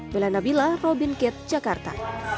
belanda bila robin kate jakarta